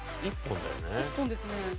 １本ですね。